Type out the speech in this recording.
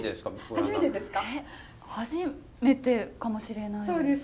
初めてかもしれないです。